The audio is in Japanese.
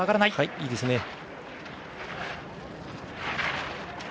いいですね。